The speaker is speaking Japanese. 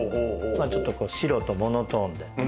ちょっと白とモノトーンで。